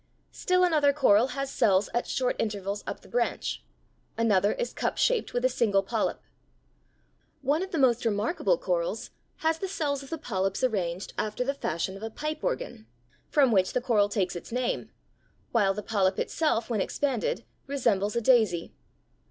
Still another coral has cells at short intervals up the branch; another is cup shaped with a single polyp. One of the most remarkable corals (Fig. 38) has the cells of the polyps arranged after the fashion of a pipe organ, from which the coral takes its name, while the polyp itself, when expanded, resembles a daisy.